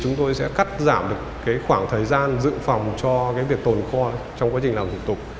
giảm được khoảng thời gian dự phòng cho việc tồn kho trong quá trình làm thủ tục